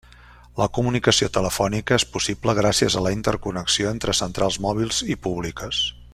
La comunicació telefònica és possible gràcies a la interconnexió entre centrals mòbils i públiques.